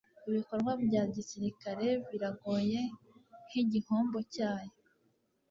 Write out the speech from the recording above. ibikorwa bya gisirikare '. biragoye nkigihombo cyayo